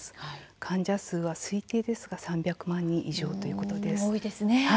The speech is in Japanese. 患者数は推定ですが３００万人以上ということです。